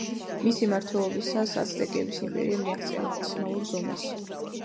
მისი მმართველობისას, აცტეკების იმპერიამ მიაღწია მაქსიმალურ ზომას.